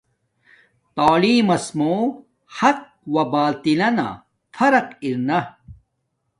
تعلیم ماس موں حق و باطل لنا فرق ارنا